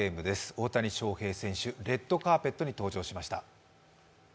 大谷翔平選手、レッドカーペットに登場しました。